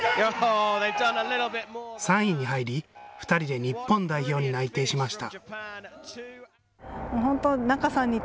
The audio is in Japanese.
３位に入り、２人で日本代表に内定しました。